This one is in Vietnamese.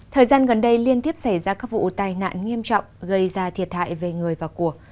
thời gian gần đây liên tiếp xảy ra các vụ tai nạn nghiêm trọng gây ra thiệt hại về người và của